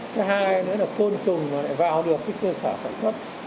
cái hai nữa là côn trùng mà lại vào được cơ sở sản xuất